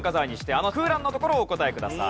あの空欄の所をお答えください。